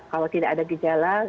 kalau tidak ada gejala